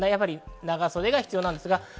長袖が必要です。